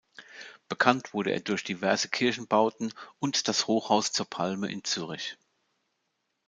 Bekannt wurde er durch diverse Kirchenbauten und das Hochhaus zur Palme in Zürich.